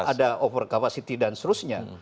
ada over capacity dan seterusnya